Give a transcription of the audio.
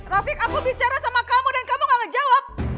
rafiq aku bicara sama kamu dan kamu gak ngejawab